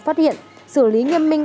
phát hiện xử lý nghiêm minh